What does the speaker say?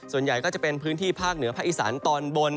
ส่วนใหญ่ก็จะเป็นพื้นที่ภาคเหนือภาคอีสานตอนบน